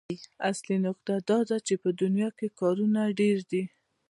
اصلي نکته دا ده چې په دنيا کې کارونه ډېر دي.